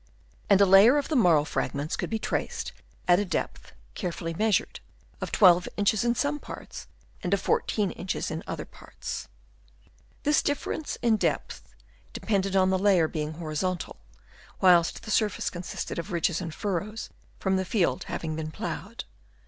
and a layer of the marl fragments could be traced at a depth, carefully measured, of 12 inches in some parts, and of 14 inches in other parts, This difference in depth de pended on the layer being horizontal, whilst the surface consisted of ridges and furrows from the field having been ploughed.